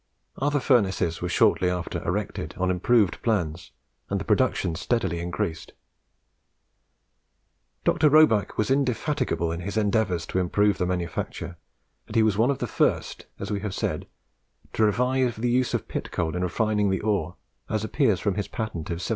Other furnaces were shortly after erected on improved plans, and the production steadily increased. Dr. Roebuck was indefatigable in his endeavours to improve the manufacture, and he was one of the first, as we have said, to revive the use of pit coal in refining the ore, as appears from his patent of 1762.